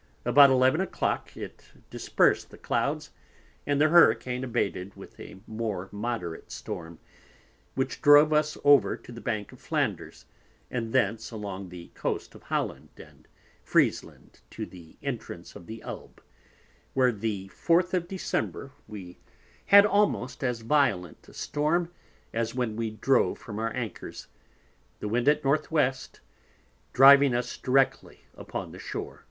About 11 a Clock it dispersed the Clouds, and the Hurricane abated into a more moderate Storm, which drove us over to the Bank of Flanders, and thence along the Coast of Holland and Friesland to the entrance of the Elb, where the 4th of December we had almost as violent a Storm, as when we drove from our Anchors, the Wind at North West, driving us directly upon the Shoar.